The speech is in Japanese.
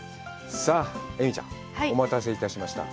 さあ映見ちゃん、お待たせいたしました。